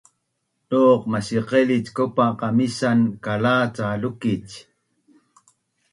Duq masiqailic kaupa qamisan kalac a lukic?